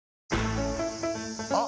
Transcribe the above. あ！